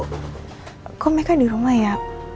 bu kok meka di rumah ya